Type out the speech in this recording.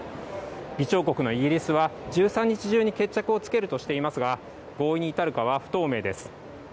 議長国のイギリスは１３日中に決着をつけるとしていますが合意に至るかは不透明です。